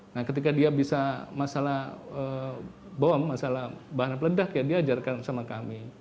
nah ketika dia bisa masalah bom masalah bahan peledak ya diajarkan sama kami